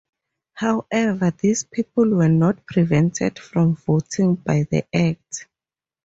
However, these people were not prevented from voting by the Act.